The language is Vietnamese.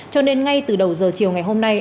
cho nên ngay từ đầu giờ chiều ngày hôm nay